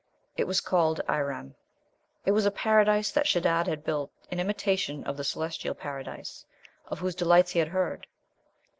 It was called Irem. "It was a paradise that Shedad had built in imitation of the celestial Paradise, of whose delights he had heard."